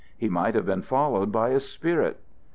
He might have been followed by a spirit.